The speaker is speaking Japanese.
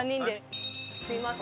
すいません。